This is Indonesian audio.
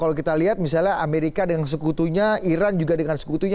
kalau kita lihat misalnya amerika dengan sekutunya iran juga dengan sekutunya